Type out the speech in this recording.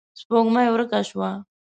سپوږمۍ ورکه شوه.